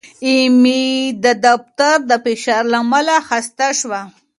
ایمي د دفتر د فشار له امله خسته شوه.